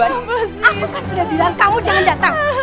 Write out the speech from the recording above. aku kan sudah bilang kamu jangan datang